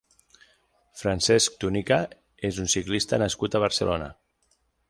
Francesc Túnica és un ciclista nascut a Barcelona.